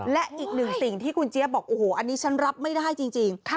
และอีกหนึ่งสิ่งที่คุณเจี๊ยบบอกโอ้โหอันนี้ฉันรับไม่ได้จริง